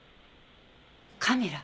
カメラ。